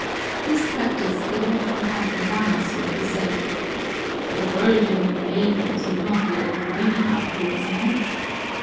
This practise they had from Padre Damaso, who said: "To the Virgin the maidens and not the old women are pleasing!"